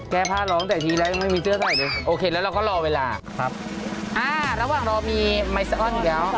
แกพาเราตั้งแต่ทีแล้วไม่มีเสื้อใส่เลย